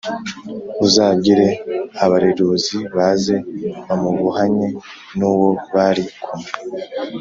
uzabwire abareruzi baze bamubohanye n'uwo bari kumwe.